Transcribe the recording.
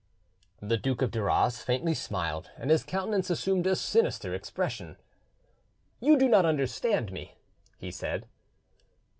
The Duke of Duras faintly smiled, and his countenance assumed a sinister expression. "You do not understand me," he said.